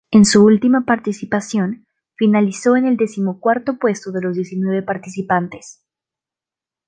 En su última participación finalizó en el decimocuarto puesto de los diecinueve participantes.